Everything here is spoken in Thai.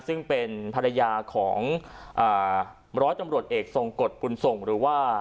ซึ่งเป็นภรรยาของร้อยตำรวจเอกทรงกฎบุญส่งหรือว่า